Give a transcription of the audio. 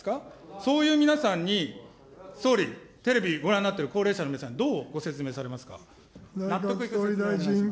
そういう皆さんに、総理、テレビご覧になってる高齢者の皆さんにどうご説明されますか。